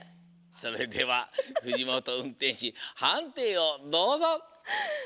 それでは藤本うんてんしはんていをどうぞ！